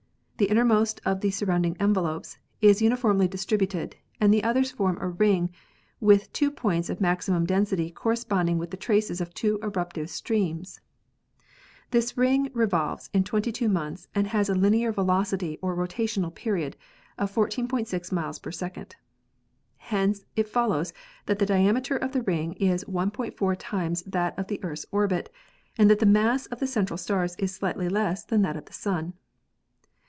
The innermost of the surround ing envelopes is uniformly distributed and the others form a ring with two points of maximum density corresponding with the traces of two eruptive streams. This ring revolves in 22 months and has a linear velocity or rotational period of 14.6 miles per second. Hence it follows that the diame ter of the ring is 1.45 times that of the Earth's orbit and that the mass of the central stars is slightly less than that of the Sun.